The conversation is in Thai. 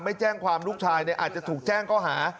ไม่แจ้งความลูกชายเนี่ยอาจจะถูกแจ้งก็หา